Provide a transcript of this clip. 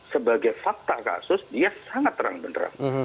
sebagai fakta kasus dia sangat terang beneran